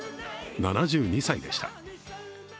７２歳でした。